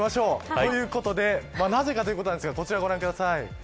ということでなぜかということですがこちらをご覧ください。